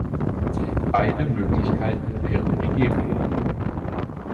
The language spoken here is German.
Beide Möglichkeiten wären gegeben.